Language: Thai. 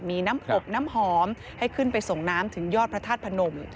มีน้ำอบน้ำหอมให้ขึ้นไปส่งน้ำถึงยอดพระธาตุพนม